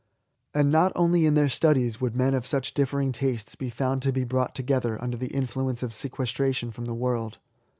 And not only in their studies would men of such differing tastes be found to be brought together under the influences of sequestration from the world.